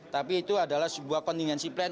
tapi itu adalah sebuah kontingensi plan